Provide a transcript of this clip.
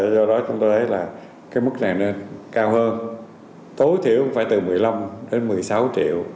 do đó chúng tôi thấy mức này nên cao hơn tối thiểu phải từ một mươi năm đến một mươi sáu triệu